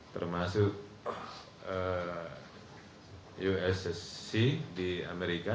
termasuk ussc di amerika